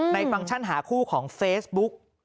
ฟังก์ชั่นหาคู่ของเฟซบุ๊ก